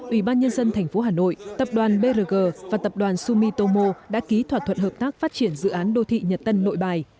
ủy ban nhân dân tp hà nội tập đoàn brg và tập đoàn sumitomo đã ký thỏa thuận hợp tác phát triển dự án đô thị nhật tân nội bài